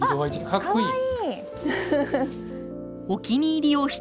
かっこいいです。